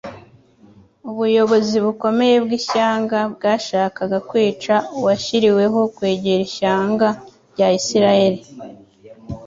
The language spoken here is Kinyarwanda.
Ubuyobozi bukomeye bw'ishyanga bwashakaga kwica Uwashyiriweho kwegera ishyanga rya Isiraeli.